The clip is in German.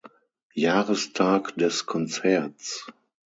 Jahrestag des Konzerts.